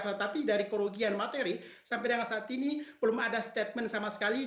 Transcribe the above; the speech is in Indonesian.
tetapi dari kerugian materi sampai dengan saat ini belum ada statement sama sekali